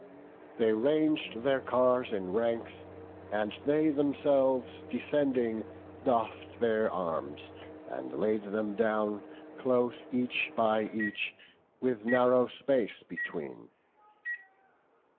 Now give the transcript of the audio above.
They rang'd the cars in ranks; and they themselves Descending doff'd their arms, and laid them down Close each by each, with narrow space between.